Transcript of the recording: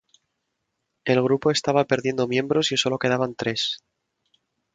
El grupo estaba perdiendo miembros y solo quedaban tres.